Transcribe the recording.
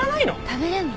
食べれんの？